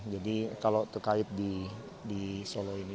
jadi kalau terkait di solo ini